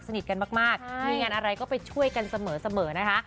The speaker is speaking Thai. กันมากมีงานอะไรก็ไปช่วยกันเสมอนะคะ